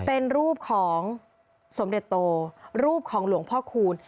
เป็นรูปของสมเด็จโตรูปของหลวงพ่อคูณ